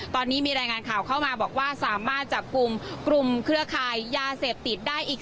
ตอนนี้มีรายงานข่าวเข้ามาบอกว่าสามารถจับกลุ่มกลุ่มเครือข่ายยาเสพติดได้อีก